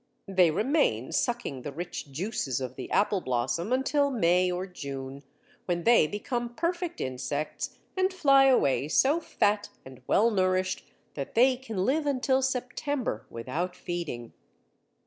They remain sucking the rich juices of the apple blossom until May or June, when they become perfect insects, and fly away so fat and well nourished that they can live until September without feeding.